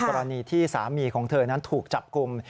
กรณีที่สามีของเธอนั้นถูกจับกลุ่ม